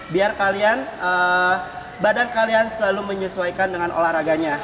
biar kalian badan kalian selalu menyesuaikan dengan olahraganya